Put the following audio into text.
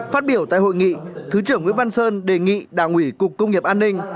phát biểu tại hội nghị thứ trưởng nguyễn văn sơn đề nghị đảng ủy cục công nghiệp an ninh